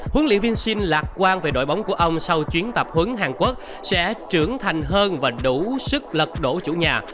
huấn luyện viên sim lạc quan về đội bóng của ông sau chuyến tập huấn hàn quốc sẽ trưởng thành hơn và đủ sức lật đổ chủ nhà